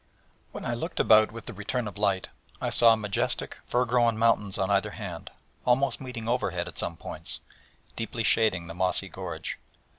When I looked about with the return of light I saw majestic fir grown mountains on either hand, almost meeting overhead at some points, deeply shading the mossy gorge.